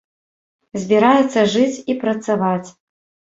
Збіраецца жыць і працаваць.